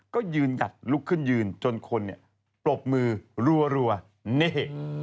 ก็ยืนกัดลุกขึ้นยืนจนคนปรบมือรัวนี่